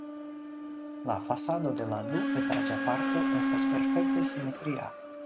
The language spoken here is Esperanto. La fasado de la duetaĝa parto estas perfekte simetria.